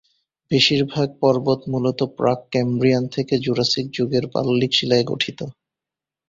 বেশিরভাগ পর্বত মূলত প্রাক-ক্যাম্ব্রিয়ান থেকে জুরাসিক যুগের পাললিক শিলায় গঠিত।